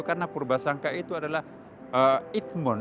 karena purbasangka itu adalah ikhman